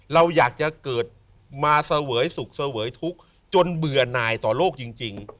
เราอยากจะเกิดมาเสวยสุขเสวยทุกข์จนเบื่อนายต่อโลกจริง